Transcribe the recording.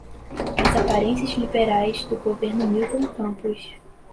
as aparências liberais do governo Milton Campos